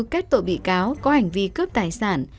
các tội bị cáo có hành vi cướp tài sản